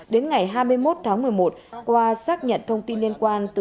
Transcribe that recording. đến ngày hai mươi một tháng một mươi một qua xác nhận thông tin liên quan